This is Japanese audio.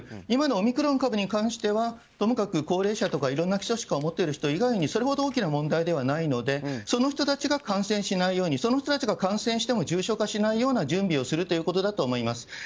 今のオミクロン株に関してはとにかく、高齢者とかいろんな基礎疾患を持っている人以外はそれほど大きな問題ではないのでその人が感染しないようその人たちが感染しても重症化しないような準備をするということだと思います。